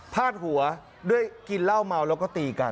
พาดหัวด้วยกินเหล้าเมาแล้วก็ตีกัน